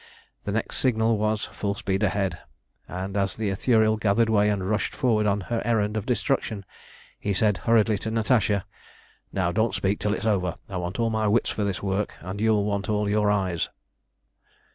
The next signal was "Full speed ahead," and as the Ithuriel gathered way and rushed forward on her errand of destruction he said hurriedly to Natasha "Now, don't speak till it's over. I want all my wits for this work, and you'll want all your eyes."